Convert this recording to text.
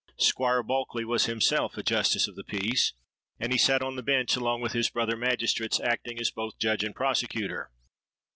Squire Bulkeley was himself a justice of the peace; and he sate on the bench along with his brother magistrates, acting as both judge and prosecutor.